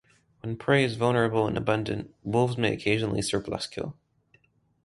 When prey is vulnerable and abundant, wolves may occasionally surplus kill.